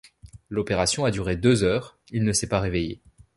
L'opération a duré deux heures, Il ne s'est pas réveillé.